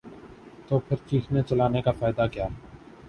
تو پھر چیخنے چلانے کا فائدہ کیا؟